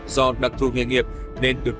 do đặc thù nghề nghiệp nên được